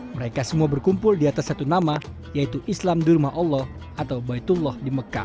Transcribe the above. mereka semua berkumpul di atas satu nama yaitu islam di rumah allah atau baitullah di mekah